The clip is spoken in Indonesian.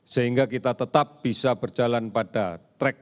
sehingga kita tetap bisa berjalan pada track